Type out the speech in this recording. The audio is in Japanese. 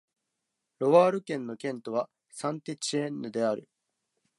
ロワール県の県都はサン＝テチエンヌである